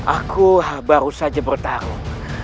aku baru saja bertarung